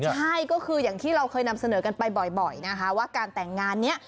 ใช่ก็คืออย่างที่เราเคยนำเสนอกันไปบ่อยนะคะว่าการแต่งงานนี้